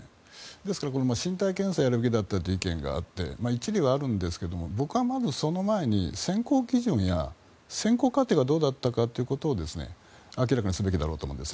ですから身体検査をやるべきだったという意見があって一理はあるんですけども僕は、まずその前に選考基準や選考過程がどうだったか明らかにすべきだと思います。